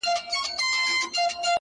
نن د هر گل زړگى په وينو رنـــــگ دى”